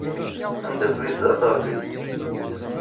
Amdakel-is d aṭerki.